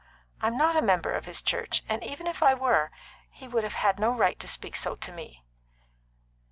I am not a member of his church; and even if I were, he would have had no right to speak so to me."